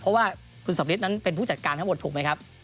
เพราะว่าคุณสำริทนั้นเป็นผู้จัดการทั้งหมดถูกไหมครับ